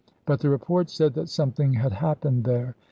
But the report said that something had happened there.